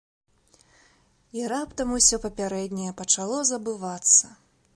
І раптам усё папярэдняе пачало забывацца.